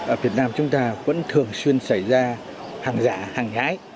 ở việt nam chúng ta vẫn thường xuyên xảy ra hàng giả hàng nhái